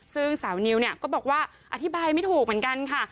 ซึ่งสาวนิวเนี่ยก็บอกว่าอธิบายไม่ถูกเหมือนกันค่ะ